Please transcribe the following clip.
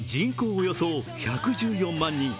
およそ１１４万人